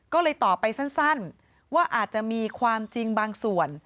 ก็เลยตอบไปสั้นว่าอาจจะมีความจริงบางส่วน